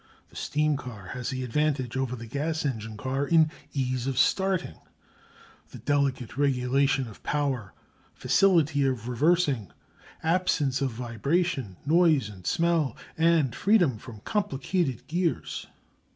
The steam car has the advantage over the gas engine car in ease of starting, the delicate regulation of power, facility of reversing, absence of vibration, noise and smell, and freedom from complicated gears.